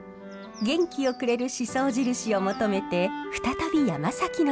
元気をくれる宍粟印を求めて再び山崎の里へ。